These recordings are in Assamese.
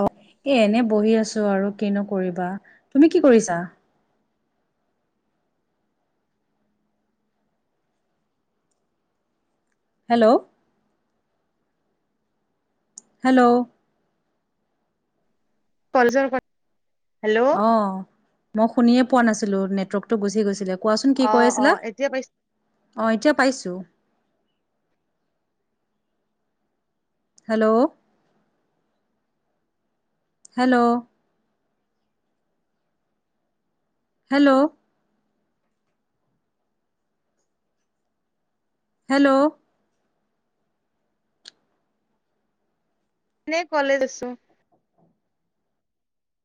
অ এ এনে বহি আছো আৰু কি নকৰিবা তুমি কি কৰিছা হেল্ল'। হেল্ল' কলেজৰ হেল্ল' অ মই শুনে পোৱা নাছিলো নেটৱৰ্কতটো গুচি গৈছিলে। কোৱাচোন কি অ কৈ অ আছিলে এতিয়া পাইছ অঁ এতিয়া পাইছোঁ। হেল্ল'। হেল্ল'। হেল্ল'। হেল্ল'। কনে কালজ আছো।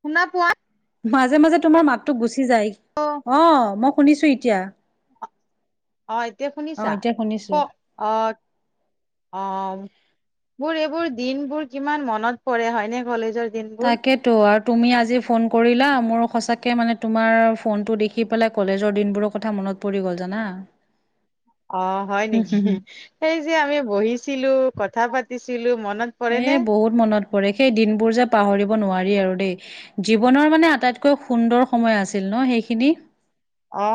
শুনা পোৱা। মাজে মাজে তোমাৰ মাতটো গুচি যায় অ মই শুনিছো এতিয়া। অ এতিয়া অ শুনিছা এতিয়া ক শুনিছো অ অ। মোৰ এইবোৰ দিন বোৰ কিমান মনত পৰে হয় নে কলেজৰ দিনবোৰ তাকেতো আৰু তুমি আজি ফোন কৰিলা মোৰ সঁচাকে মানে তোমাৰ ফোনতটো দেখি পেলাই কলেজৰ দিনবোৰৰ কথা মন মনত পৰি গ'ল জানা অ হয় নেকি সেই যে আমি বহিছিলো কথা পাতিছিলো মনত পৰে নে এ বহুত মনত পৰে সেই দিনবোৰ যে পাহৰিব নোৱাৰি আৰু দেই জীৱনৰ মানে আটাইতকৈ সুন্দৰ সময় আছিল ন সেইখিনি অ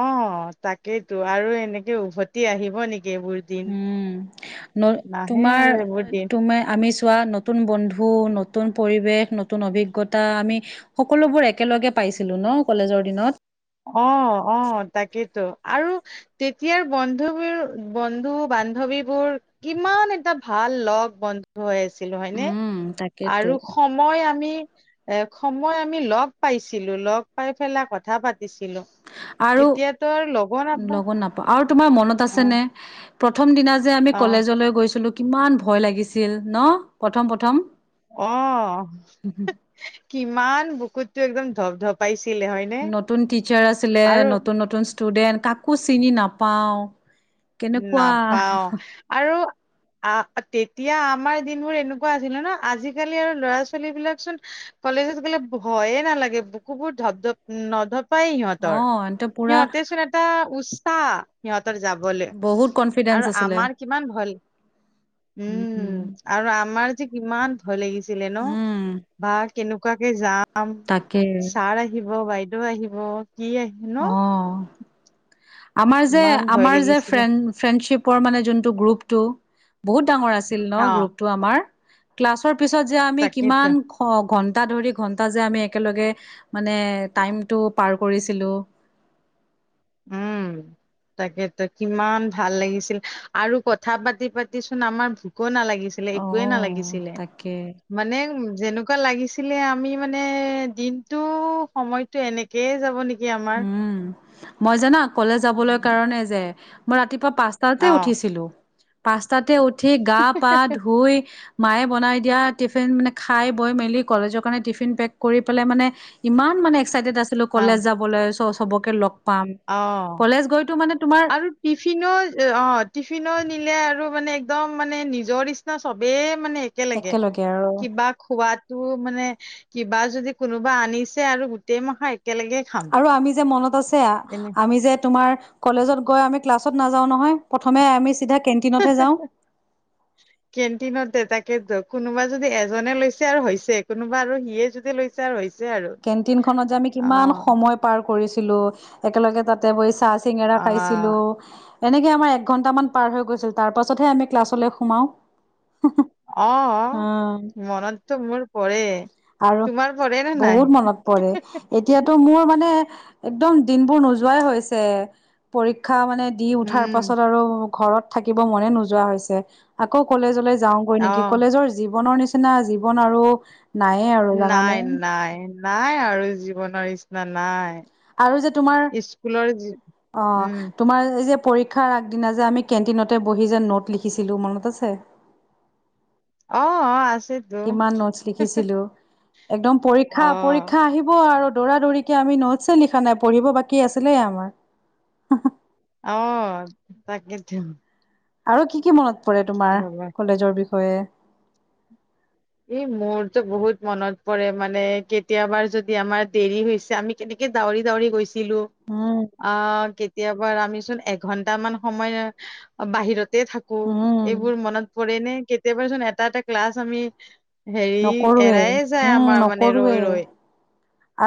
তাকেইেতো আৰু এনেকে উভতি আহিব নেকি এইবোৰ দিন উম ন নাহে আৰু তোমাৰ এইবোৰ দিন তুম আমি চোৱা ন [unintelligible] নতুন বন্ধু নতুন পৰিৱেশ নতুন অভিজ্ঞতা আমি সকলোবোৰ একেলগে পাইছিলো ন অ কলেজৰ দিনত অ অ তাকেইেতো আৰু তেতিয়াৰ বন্ধৱীৰ বন্ধু বান্ধৱী বোৰ কিমান এটা ভাল ভাল লগ বন্ধু হৈ আছিলো হয়নে উম তাকেতো আৰু সময় আমি এ সময় আমি লগ পাইছিলো লগ পাই পেলাই কথা পাতি দিছিলো আৰু এতিয়াতো আৰু লগৰ নাপায় লগত নাপাওঁ আৰু তোমাৰ মনত আহ আছেনে প্ৰথম দিনা যে আমি কলেজলৈ গৈছিলো কিমান ভয় লাগিছিল ন প্ৰথম প্ৰথম অ কিমান বুকুততটো একদম ধপ ধপ পাইছে নতুন টিচাৰ আছিলে নতুন নতুন ষ্টুডেণ্ট কাকো চিনি নাপাওঁ নাপাও আৰু আহ তেতিয়া আমাৰ দিনবোৰ এনেকুৱা আছিলে ন আজিকালি আৰু ল'ৰা ছোৱালী বিলাকচোন কলেজত গ'লে ভয়ে নালাগে বুকুবোৰ ধপ ধপ নধপ পাই অ সিহঁতৰ এন্তে পুৰা সিহঁতে চোন এটা উৎসাহ সিহঁতৰ যাব বহুত কনফিডেন্স আৰু আছিলে আমাৰ কিমান ভল উম আৰু আমাৰ যে কিমান ভয় লাগিছিলে ন উম বা কেনেকুৱাকে যাম তাকে ছাৰ আহিব বাইদেউ আহিব কি আহে ন অ আমাৰ যে কিমান ভয় আমাৰ যে লাগিছিলে ফ্ৰে ফ্ৰেণ্ডশিপ পোৱাৰ মানে গ্ৰুপ টো বহুত ডাঙৰ আছিল ন অ গ্ৰুপ টো আমাৰ ক্লাছৰ পিছত যে আমি তাকেইতো কিমান ঘন্টা ধৰি ঘন্টা যে আমি একেলগে মানে টাইমটো পাৰ কৰিছিলোঁ উম তাকেতো কিমান ভাল লাগিছিল আৰু কথা পাতি পাতি চোন আমাৰ ভোকো নালাগি অ একোৱে নালাগিছিলে তাকে মানে যেনেকুৱা লাগিছিলে আমি মানে দিনতো সময়তটো এনেকেই যাব নেকি আমাৰ উম মই জানা কলেজ যাবলৈ কাৰণে যে মই ৰাতিপুৱা পাঁচটাতে অ উঠিছিলো পাঁচটাতে উঠি গা পা ধুই মায়ে বনাই দিয়া টিফিন মানে খাই বৈ মেলি কলেজৰ কাৰণে টিফিন পেক কৰি পেলাই মানে ইমান মানে এক্াইটেড আছিলো অ কলেজ যাবলৈ চ চবকে লগ পাম অ কলেজ গৈতো মানে তোমাৰ আৰু টিফিনো অ টিফিনো নিলে আৰু মানে একদম মানে নিজৰ নিচিনা চবে মানে একেলগে কিবা খোৱাতো মানে কিবা যদি কোনোবা আনিছে আৰু গোটেই মখাই আৰু আমি যে মনত আছে এনে আমি যে তোমাৰ কলেজত গৈ আমি ক্লাছত নাযাও নহয় প্ৰথমে আমি চিধা হে কেন্টিনতহে যাওঁ। হে কেণ্টিন দে ত ত ধ কোনোবা যদি এজনে লৈছে আৰু হৈছে কোনোবা আৰু সিয়ে যদি লৈছে আৰু হৈছে আৰু কেণ্টিন খনত যে আমি অ কিমান সময় পাৰ কৰিছিলো একেলগে তাতে বহি চাহ চিঙৰা অ খাইছিলো এনেকে আমাৰ একঘন্টামান পাৰ হৈ গৈছিল তাৰ পাছতহে আমি ক্লাছলৈ সোমাও অ উম মনততো মোৰ পৰে আৰু তোমাৰ পৰে নে নাই বহুত মনত পৰে এতিয়াতো মোৰ মানে একদম দিনবোৰ নোযোৱাই হৈছে প মানে দি উঠাৰ উম পাছত আৰু ঘৰত থাকিব মনে নোযোৱা হৈছে আকৌ কলেজলে যাওঁগৈ অ নেকি কলেজৰ জীৱনৰ নিচিনা জীৱন আৰু নায়ে আৰু জানানে নাই নাই নাই আৰু জীৱনৰ নিচিনা নাই আৰু যে তোমাৰ স্কুলৰ যি অ উম তোমাৰ যে পৰক্ষাৰ আগ আ কেটিন বহি যে নোট লিখিছিলোঁ মনত আছে অ অ আ কিমান নোটচ লিখিছিলো একদম অ পৰীক্ষা পৰীক্ষা আহিব আৰু দৌৰা দৌৰিকে আমি নোটচ লিখা নাই পঢ়িব বাকী আছিলে আমাৰ আহ তাকিতি আৰু কি কি মনত পৰে তোমাৰ কলেজৰ বিষয়ে ই মোৰতো বহুত মনত পৰে মানে কেতিয়াবা যদি আমাৰ দেৰি হৈছে আমি কেনে দাউৰি দাৰি গৈছে উম অ কেতিয়াবা আমিোন এঘন্ট মান সময় বাহিৰত থাকো উম এইবোৰ মনত পৰে নে কেতিয়াবাচোন এটা এটা ক্লাছ আমি হেৰি নকৰোৱে এৰায়ে যায় উম আমাৰ মানে নকৰোৱে ৰৈ ৰৈ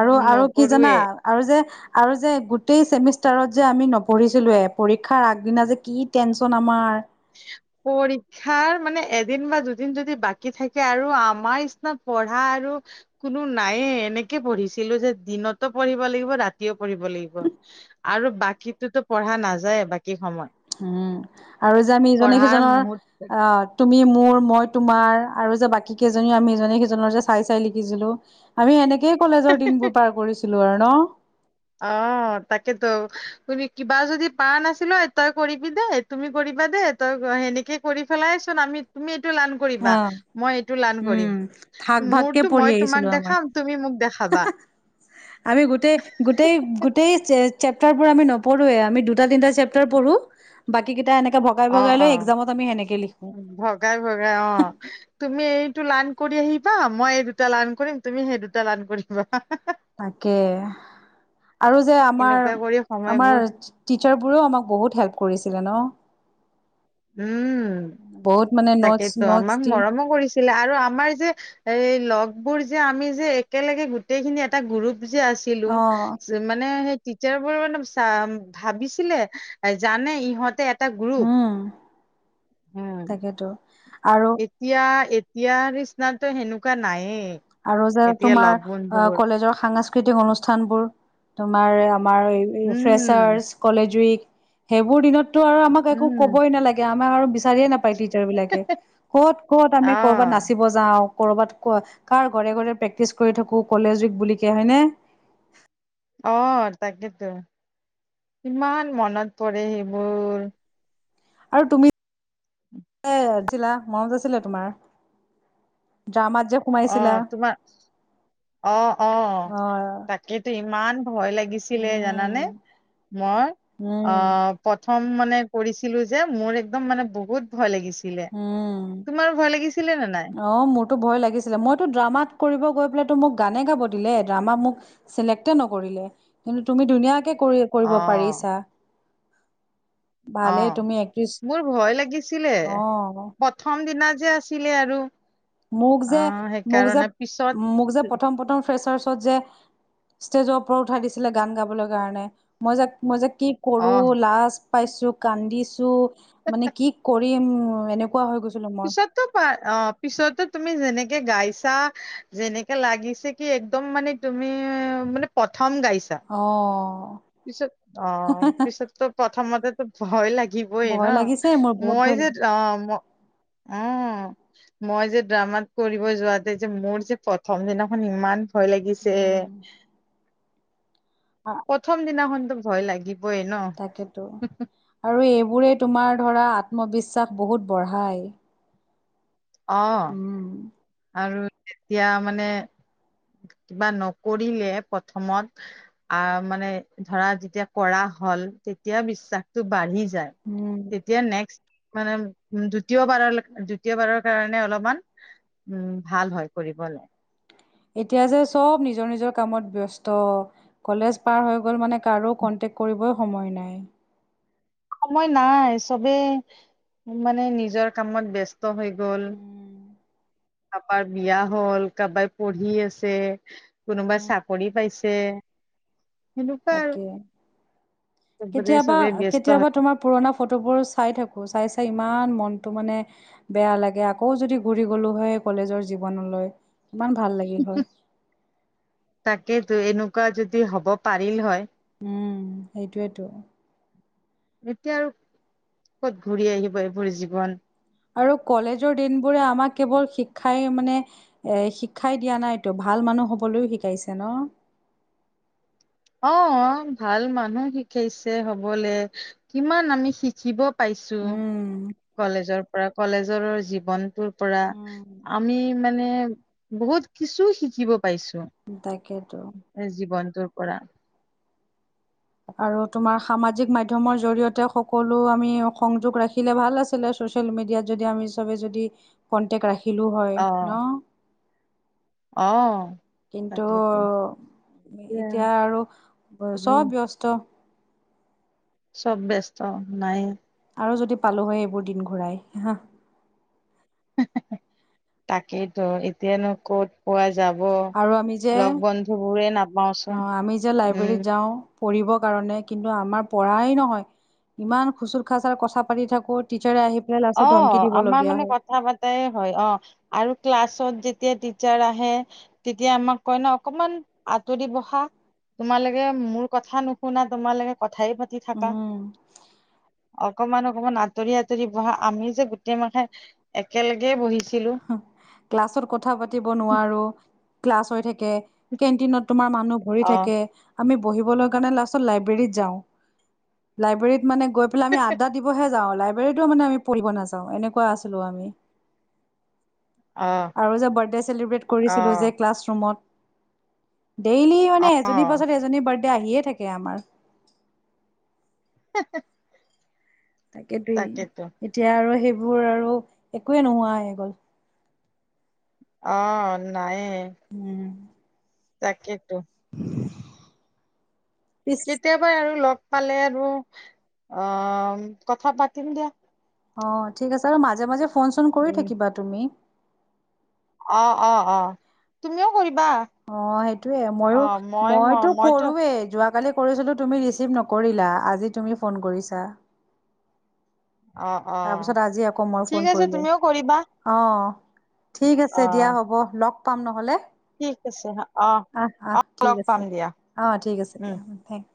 আৰু আৰু কি জাননা নকৰোৱে আৰু যে আৰু যে গোটেই চেমিষ্টাৰত যে আমি নপঢ়িছিলোঁৱে পৰীক্ষাৰ আগদিনা যে কি টেনচন আমাৰ [inaudible] পৰীক্ষাৰ মানে এদিন বা দুদিন যদি বাকী থাকে আৰু আমাৰ নিচিনা পঢ়া আৰু কোনো নায়ে এনেকে পঢ়িছিলো যে দিনতো পঢ়িব লাগিব ৰাতিও পঢ়িব লাগিব আৰু বাকীতো পঢ়া নাযায় বাকী সময়ত উম আৰু যে আমি ইজনে সিজনৰ মুহুৰ্ত অ তুমি মোৰ মই তোমাৰ আৰু যে বাকী কেইজনী আমি সিজনে সিজনৰ যে চাই চাই লিখিছিলো আমি সেনেকে সেই কলেজৰ দিনবোৰ পাৰ কৰিছিলো আৰু ন অ তাকেতো তুমি কিবা যদি পা নাছিলো তই কৰিবি দে তুমি কৰিবা দে তই সেনেকে কৰি পেলাই আমি তুমি লান কৰিবা অ মই এইটো লান উম কৰিম ভাগ ভাগকে মোৰতো পঢ়ি মই আহিছিলো তোমাক আমাৰ দেখাম তুমি মোক দেখাম হাবা আমি গোটেই গোটেই গোটেই চেপটাৰ বোৰ আমি নপঢ়োৱে আমি দুটা তিনিটা চেপ্তাৰ পঢ়ো বাকী কেইটা এনে ভগাই অ ভগাই লৈ অ একজামত আমি সেনেকে লিখো ভগাই অ ভগাই তুমি এই টো লান কৰি আহিবা মই এই দুটা লান কৰিম তুমি সেই দুটা লান কৰিবা তাকে আৰু যে আমাৰ এনেকুৱা কৰি আমাৰ সময়বোৰ টিচাৰ বোৰেও আমাক বহুত হেল্প কৰিছে ছিলিল ন উম বহুত মানে নটছ তাকেইেতো নটছ আমাক দি মৰমো কৰিছিলে আৰু আমাৰ যে এই লগ বোৰ যে আমি যে একেলগে গোটেইখিনি এটা গ্ৰুপ যে আছিলিলো মানে সেই টিচাৰ বোৰ মানে চ ভাবিছিলে জানে ইহঁতে এটা গ্ৰুপ হুম উম তাকেতো আৰু এতিয়া এতিয়া নিচনাতো সেনেকুৱা নাইএ আৰু যে তোমাৰ অ কলেজৰ সাংস্কৃতিক অনুষ্ঠান বোৰ তোমাৰ আমাৰ উম ফ্ৰেচাৰ্চ কলেজ উইক সেইবোৰ দিনতটো আৰু আমাক একো উম কবই নালাগে আমাক আৰু বিচাৰিয়ে নাপায় টিচাৰ বিলাকে ক'ত ক'ত আমি কৰ'বাত আহ নাচিব যাও কৰ'বাত ক কাৰ ঘডৰে ঘৰে প্ৰেক্টিচ কৰি থাকো কলেজক বুলি কে হয়নে আহ তাকেতো ইমান মনত পৰে সেইবোৰ আৰু তুমি যে দিলা মনত আছিলে তোমাৰ ড্ৰামাত যে অ সোমাইছিলা তোমাৰ অ অ তাকেইটো ইমান ভয় লাগিছিলে জানানে উম মই অ উম প্ৰথম মানে কৰিছিলো যে মোৰ একদম মানে বহুত ভয় লাগিছিলে উম তোমাৰ ভয় লাগিছিল অ মোৰতো ভয় লাগিছিলে মইতো ড্ৰামাত কৰিব গৈ পেলাই তো মোক গানে গাব দিলে ড্ৰামা মোক চিলেক্টে নকৰিলে কিন্তু তুমি ধুনীয়াকে কৰি কৰিব অ', পাৰিছা অ ভালেই তুমি এক্ট্ৰেছ মোৰ ভয় লাগিছিলে অ প্ৰথম দিনা যে আছিলে আৰু মোক যে অ' মোক যে সেইকাৰণে পিছত মোক যে প্ৰথম প্ৰথম ফ্ৰেচাৰ্চ ত যে ষ্টেজৰ ওপৰত উঠাই দিছিলে গান গাবলৈ কাৰণে মই যে মই যে কি কৰো অ' লাজ পাইছো কান্দিছো মানে কি কৰিম এনে পিছততো পায় অ পিছতো তুমি যেনেকে গাইছা যেনেকে লাগিছে কি একদম মানে তুমি মানে প্ৰথ অ পিছত অ পিছত তো প্ৰথমতেতো ভয় লাগি বই ন ভয় লাগিছে মোৰ বহুত মই ভয় যে লাগিছে অ ম অ মই যে ড্ৰামাত কৰিব যোৱাতে যে মোৰ যে প্ৰথম দিনাখন ইমান ভয় লাগিছে অ প্ৰথম দিনাখনতো ভয় লাগি তাকেতো আৰু এইবোৰেই তোমাৰ ধৰা আত্মবিশ্বাস বহুত বঢ়ায় অ উম, আৰু তেতিয়া মানে কিবা নকৰিলে প্ৰথমত আহ মানে ধৰা যেতিয়া কৰা হয় হল তেতিয়া বিশ্বাসটো বাঢ়ি যায় উম, তেতিয়া নেক্সট মানে উ দ্বিতীয়বাৰৰ দ্বিতীয়বাৰৰ কাৰণে অলপমান উম ভাল হয় কৰিবলৈ এতিয়া যে চব নিজৰ নিজৰ কামত ব্যস্ত কলেজ পাৰ হৈ গল মানে কাৰো ক এতিয়া কৰিবি সময় নাই সময় নাই চবে মানে নিজৰ কামত ব্যস্ত হৈ গল উম, কাৰোবাৰ বিয়া হ'ল কাৰোবাই পঢ়ি আছে কোনোবাই চাকৰি পাইছে ছে তাকেই চবৰে কেতিয়াবা চবে ব্যস্ত কেতিয়াবা হয়। তোমাৰ পুৰণা ফটোবোৰ চাই থাকো চাই চাই ইমান মনটো মানে বেয়া লাগে আকৌ যদি ঘূৰি গ'লো হয় কলেজৰ জীৱনলৈ ইমান ভাল লাগিল হয় তাকেইতো এনেকোৱা যদি হ'ব পাৰিল হয় উম সেইটোৱেতো এতিয়া আৰু কত ঘূৰি আহিব এইবোৰ জীৱন আৰু কলেজৰ দিনবোৰে আমাক কেৱল শিক্ষাই মানে এ শিক্ষাই দিয়া নাইতো ভাল মানুহ হ'বলৈও শিকাইছে ন [unintelligible] অ ভাল মানুহ শিকাইছে হবলে কিমান আমি শিকিব পাইছো উম। কলেজৰ পৰা কলেজৰ জীৱনটো পৰা উম। আমি মানে বহুত কিছু শিকিব পাইছো তাকেতো এই জীৱনটোৰ পৰা আৰু তোমাৰ সামাজিক মাধ্যমৰ জৰিয়তে সকলো আমি সংযোগ ৰাখিলে ভাল আছিলে চচিয়েল মিডিয়াত যদি আমি চবে যদি কন্টেক্ট ৰাখিলো হয় ন অহ কিন্তু এতিয়া আৰু উম চব ব্যস্ত চব ব্যস্ত নাই আৰু যদি পালো হয় এইবোৰ দিন ঘূৰাই হা হু‌ হু তাকেতো এতিয়ানো ক'ত পুৱাই যাব আৰু আমি যে লগ বন্ধু বোৰে অঁ নাপাওচোন আমি যে উম লাইব্ৰেৰীত যাওঁ পঢ়িবৰ কাৰণে কিন্তু আমাৰ পঢ়াই নহয় ইমান খুচুৰ খাচাৰ কথা পাতি থাকো টাৰ্চেট আহি পেলাই অ লাষ্টত ধমকি আমাৰ দিবলগীয়া মানে হয় কথা পাতাই হয় অ আৰু ক্লাছত যে তেতিয়া টিচাৰ্ছ আহে তেতিয়া আমাক কয় ন অকনমান আঁতৰি বহা তোমালোকে মোৰ কথা নুশুনা তোমালোকে ক কথাই পাতি থাককা উম অকমান অকমান আঁতৰি আঁতৰি ‌ বহা আমি যে গোটেই মাথাই একেলগে বহিছো ক্লাছত কথা পাতিব নোৱাৰো ক্লাছ হৈ থাকে কেনটিনত তোমাৰ মানুহ ভৰি অ থাকে আমি বহিবলৈ কাৰণে লাষ্টত লাইব্ৰেৰীত যাওঁ লাইব্ৰেৰীত মানে গৈ পেলাই আমি আদ্দ দিবহে য়াওলাইব্ৰেৰীতো মানে আমি পঢ়িব নাযাওঁ এনেকুৱা আছিলো আমি অ আৰু যে বাৰ্থডে চেলিব্ৰেট অ কৰিছিলো যে ক্লাছ ৰুমত ডেইলি মানে অ এজনীৰ পাছত এজনী বাৰ্থডে আহিয়ে থাকে আমাৰ [unintelligible] তাকেদেই তাকেতো এতিয়া আৰু সেইবোৰ আৰু একোৱেই নোহোৱাই হৈ গল অ নাই তাকেইটো হ [unintelligible] কেতিয়াবা আৰু লগ পালে আৰু অ কথা পাতিম দিয়া অ ঠিক আছে আৰু মাজে মাজে ফোন চোন কৰি উম, থাকিবা তুমি অ অ অ তুমিও কৰি অ সেইটোয়ে মই মই ম মইতো কৰোৱে যোৱাকালি কৰিছিলোঁ তুমি ৰিচিভ নকৰিলা আজি তুমি ফোন কৰিছা অ', অ' তাৰপিছত আজি আকৌ মই ঠিক ফোন আছে কৰিলো তুমিও কৰিবা অহ ঠিক আছে দিয়া অ' হ'ব লগ পাম নহ'লে ঠিক আছে অ' অহ অহ ঠিক লগ আছে পাম দিয়া অহ ঠিক আছে উম। দিয়া থেংক